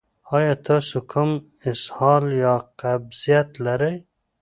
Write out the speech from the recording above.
ایا تاسو کوم اسهال یا قبضیت لرئ؟